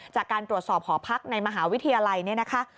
จากการตรวจสอบหอพักในมหาวิทยาลัยเนี่ยนะคะ